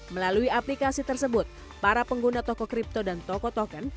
melalui aplikasi tersebut para pengguna toko kripto dan toko token